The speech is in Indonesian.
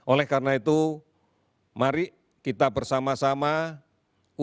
oleh karena itu mari kita bersama sama untuk bisa menerapkan protokol